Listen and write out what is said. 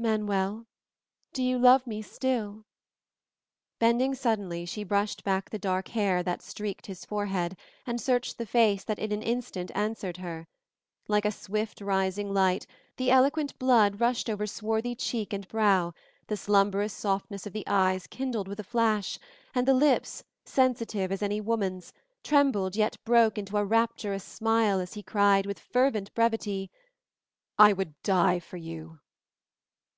Manuel, do you love me still?" Bending suddenly, she brushed back the dark hair that streaked his forehead and searched the face that in an instant answered her. Like a swift rising light, the eloquent blood rushed over swarthy cheek and brow, the slumberous softness of the eyes kindled with a flash, and the lips, sensitive as any woman's, trembled yet broke into a rapturous smile as he cried, with fervent brevity, "I would die for you!"